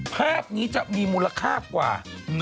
ภาพนี้จะมีมูลค่ากว่า